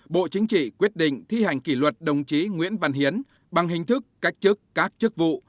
bộ chính trị quyết định thi hành kỷ luật đồng chí nguyễn văn hiến bằng hình thức cách chức các chức vụ